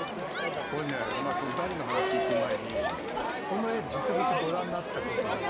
これねダリの話いく前にこの絵実物ご覧になった事ある方？